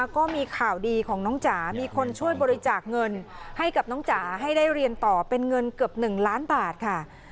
ก็มีข่าวดีของน้องจ๋ามีคนช่วยบริจาคเงินให้กับน้องจ๋าให้ได้เรียนต่อเป็นเงินเกือบ๑ล้านบาทค่ะ